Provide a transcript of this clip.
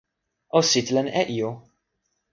o sitelen e ijo.